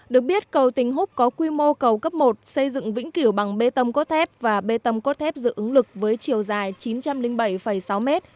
được biết cầu tỉnh húc có quy mô cầu cấp một xây dựng vĩnh kiểu bằng bê tầm có thép và bê tầm có thép dự ứng lực với chiều dài chín trăm linh bảy sáu m